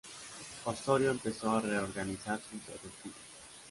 Osorio empezó a reorganizar sus efectivos.